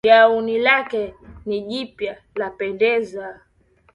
Gauni lake ni jipya lapendeza.